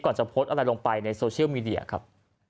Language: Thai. จะโพสต์อะไรลงไปในโซเชียลมีเดียครับ